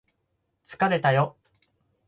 疲れたよ